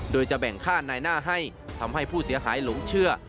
โดยจะแบ่งค่านายหน้าให้ทำให้ผู้เสียหายหลงเชื่อ